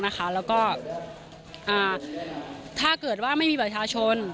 แล้วก็ถ้าเกิดว่าไม่มีบัตรประชาชน